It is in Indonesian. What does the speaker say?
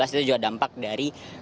itu juga dampak dari